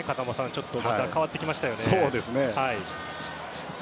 ちょっと変わってきましたよね。